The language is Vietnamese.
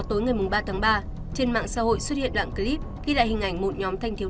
tối ngày ba tháng ba trên mạng xã hội xuất hiện đoạn clip ghi lại hình ảnh một nhóm thanh thiếu